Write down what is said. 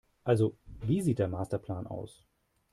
Also, wie sieht der Masterplan aus?